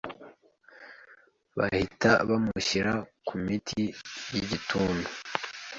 Bahita bamushyira ku miti y’igituntu